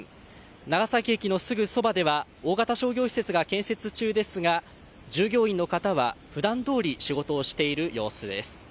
長崎駅のすぐそばでは大型商業施設が建設中ですが従業員の方は普段どおり仕事をしている様子です。